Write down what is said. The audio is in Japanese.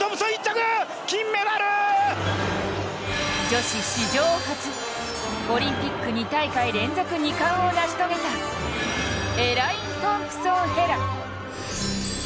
女子史上初、オリンピック２大会連続２冠を成し遂げたエライン・トンプソン・ヘラ。